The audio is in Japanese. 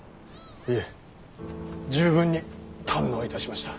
いえ十分に堪能いたしました。